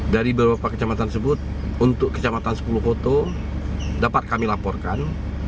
dari beberapa kecamatan tersebut untuk kecamatan sepuluh koto dapat kami laporkan